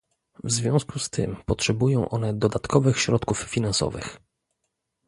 W związku z tym potrzebują one dodatkowych środków finansowych